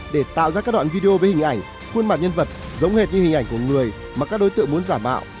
để tạo ra các đoạn video với hình ảnh khuôn mặt nhân vật giống hệt như hình ảnh của người mà các đối tượng muốn giả mạo